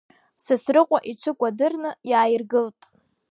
Сасрыҟәа иҽы кәадырны иааиргылт.